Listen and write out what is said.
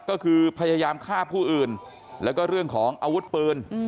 ก็คือพยายามฆ่าผู้อื่นแล้วก็เรื่องของอาวุธปืน